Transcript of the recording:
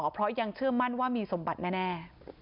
เพราะยังเชื่อมั่นว่ามีสมบัติแน่